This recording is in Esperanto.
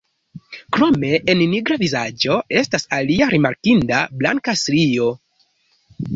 Krome en nigra vizaĝo estas alia rimarkinda blanka strio.